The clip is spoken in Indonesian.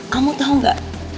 kamu tau gak